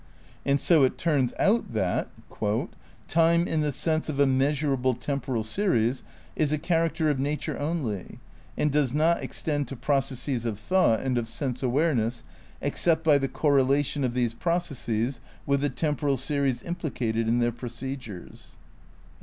'' And so it turns out that "... time in the sense of a measurable temporal series is a char acter of nature only and does not extend to processes of thought and of sense awareness except by the correlation of these processes with the temporal series implicated in their procedures."